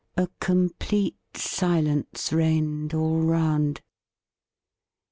A complete silence reigned all round.